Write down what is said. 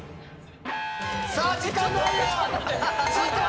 さぁ時間ないよ！